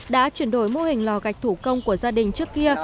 đã chuyển đổi mô hình lò gạch thủ công của gia đình trước kia